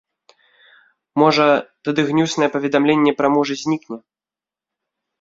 Можа, тады гнюснае паведамленне пра мужа знікне.